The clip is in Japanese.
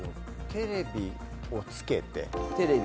テレビをつけて。